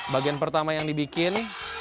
bagian pertama yang dibikin